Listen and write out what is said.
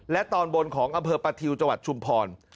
และตอนบนของอำเภอประทิวจังหวัดชุมพร